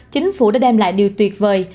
chính phủ đã đem lại điều tuyệt vời